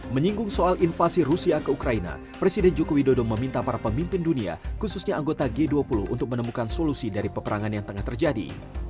menyinggung soal invasi rusia ke ukraina presiden joko widodo meminta para pemimpin dunia khususnya anggota g dua puluh untuk menemukan solusi dari peperangan yang tengah terjadi